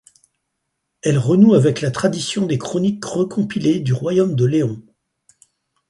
Elle renoue avec la tradition des chroniques recompilées du royaume de León.